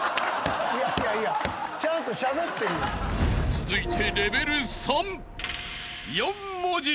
［続いて］